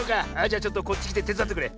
じゃちょっとこっちきててつだってくれ。